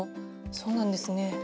そうなんですね。